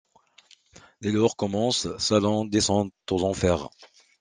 Dès lors commence sa lente descente aux enfers.